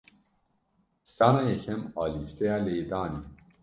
Strana yekem a lîsteya lêdanê.